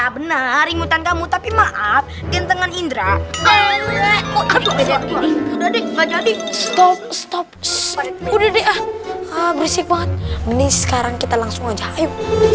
berisik banget ini sekarang kita langsung aja ayo